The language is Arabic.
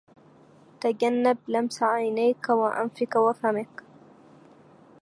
تجنب لمس عينيك وأنفك وفمك